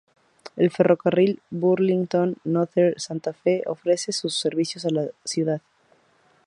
El ferrocarril Burlington Northern Santa Fe ofrece sus servicios en la ciudad.